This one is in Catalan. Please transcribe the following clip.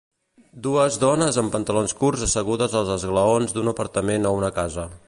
Dues dones amb pantalons curts assegudes als esglaons d'un apartament o una casa.